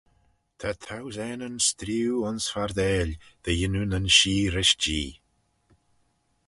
Ta thousaneyn streeu ayns fardail, dy yannoo nyn shee rish Jee.